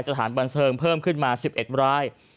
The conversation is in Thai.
สถานบันเทิงเพิ่มขึ้นมา๑๑ราย